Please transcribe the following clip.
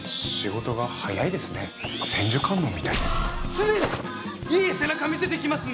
常にいい背中見せていきますんで！